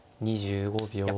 ２５秒。